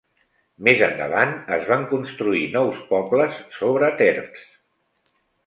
Més endavant es van construir nous pobles sobre terps.